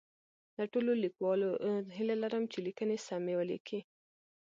له ټولو لیکوالو هیله لرم چي لیکنې سمی ولیکي